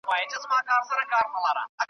ماته خپل خالق لیکلی په ازل کي شبِ قدر .